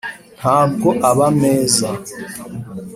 ntabwo aba meza